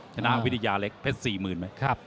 ชนะวิทยาเล็กเพศ๔๐๐๐๐นะครับ